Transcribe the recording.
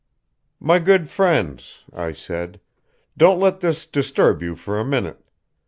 "My good friends," I said, "don't let this disturb you for a minute.